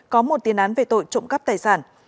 có một tiền án về tội trộm cắp tài sản